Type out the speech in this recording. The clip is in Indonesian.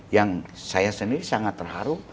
yang saya sendiri sangat terharu